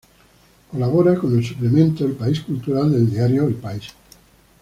Colabora con el suplemento El País Cultural del diario "El País".